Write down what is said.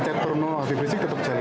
caturno hafif rizik tetap jalan